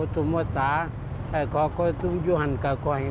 สมมติว่าก็อยู่หันต์ก็ค่อย